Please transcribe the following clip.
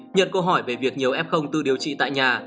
nhận câu hỏi về việc nhiều f tự điều trị tại nhà